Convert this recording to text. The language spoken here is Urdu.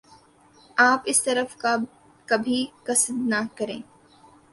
آپ اس طرف کا کبھی قصد نہ کریں